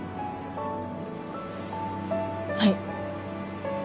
はい。